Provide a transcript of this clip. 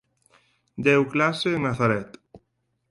Deu clase en Nazaret.